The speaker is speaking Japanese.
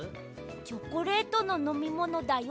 チョコレートののみものだよ。